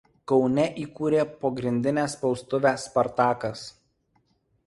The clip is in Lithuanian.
Kaune įkūrė pogrindinę spaustuvę „Spartakas“.